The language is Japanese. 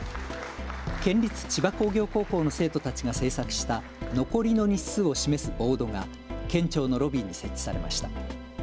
県立千葉工業高校の生徒たちが制作した残りの日数を示すボードが県庁のロビーに設置されました。